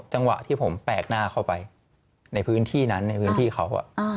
จังหวะที่ผมแปลกหน้าเข้าไปในพื้นที่นั้นในพื้นที่เขา